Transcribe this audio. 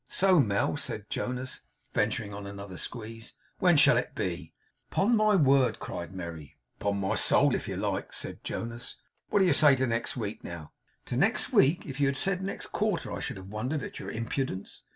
So, Mel,' said Jonas, venturing on another squeeze; 'when shall it be?' 'Upon my word!' cried Merry. 'Upon my soul, if you like,' said Jonas. 'What do you say to next week, now?' 'To next week! If you had said next quarter, I should have wondered at your impudence.